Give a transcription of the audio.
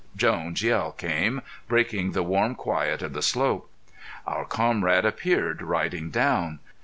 Jones' yell came, breaking the warm quiet of the slope. Our comrade appeared riding down.